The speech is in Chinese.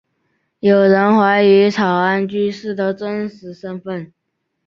有人怀疑草庵居士的真实身份。